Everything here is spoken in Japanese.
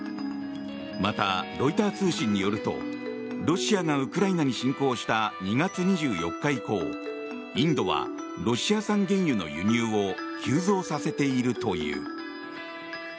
また、ロイター通信によるとロシアがウクライナに侵攻した２月２４日以降インドはロシア産原油の輸入を急増させているという。